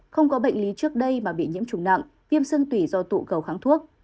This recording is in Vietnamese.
không có bệnh lý trước đây mà bị nhiễm trùng nặng viêm xương tủy do tụ cầu kháng thuốc